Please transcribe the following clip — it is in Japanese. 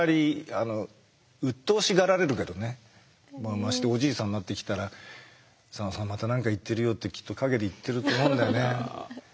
ましておじいさんになってきたら「佐野さんまた何か言ってるよ」ってきっと陰で言ってると思うんだよね。